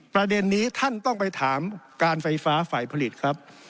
ประเด็นนี้ท่านต้องไปถามการไฟฟ้าฝ่ายผลิตครับ